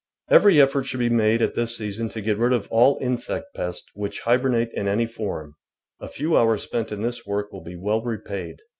Every effort should be made at this season to get rid of all insect pests which hibernate in any form; a few hours spent in this work will be well repaid.